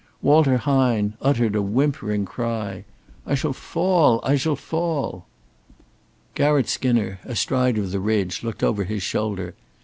Walter Hine uttered a whimpering cry: "I shall fall! I shall fall!" Garratt Skinner, astride of the ridge, looked over his shoulder.